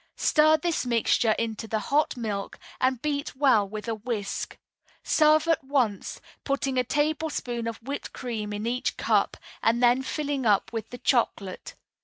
Stir this mixture into the hot milk, and beat well with a whisk. Serve at once, putting a tablespoonful of whipped cream in each cup and then filling up with the chocolate.